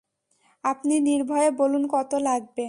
আপনি নির্ভয়ে বলুন কত লাগবে।